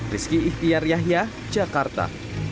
rizky ihtiar yahya jakarta